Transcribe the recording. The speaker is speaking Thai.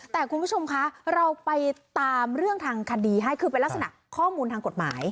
แต่คุณผู้ชมคะเราไปตามเรื่องทางคดีให้คือเป็นลักษณะข้อมูลทางกฎหมาย